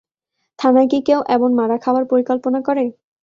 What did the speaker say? থানায় কী কেউ এমন মারা খাওয়ার পরিকল্পনা করে?